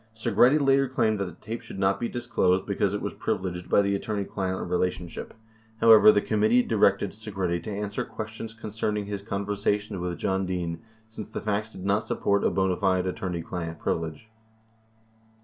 72 Segretti later claimed that the tape should not be disclosed because it was privi leged by the attorney client relationship. 73 However, the committee directed Segretti to answer questions concerning his conversations with John Dean since the facts did not support a bona fide "attorney client privilege."